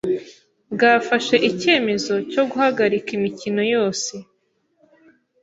bwafashe icyemezo cyo guhagarika imikino yose